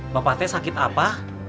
bapak teh sakit apa